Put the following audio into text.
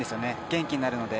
元気になるので。